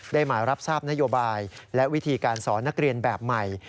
มารับทราบนโยบายและวิธีการสอนนักเรียนแบบใหม่